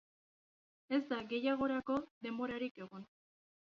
Ez da gehiagorako denborarik egon.